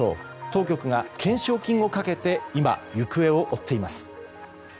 当局が懸賞金をかけて今、行方を追っています。